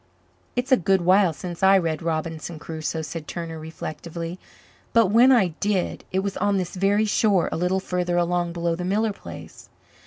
"It's a good while since I read Robinson Crusoe," said Turner reflectively. "But when I did it was on this very shore a little further along below the Miller place.